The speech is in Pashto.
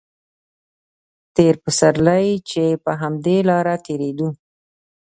تېر پسرلی چې په همدې لاره تېرېدو.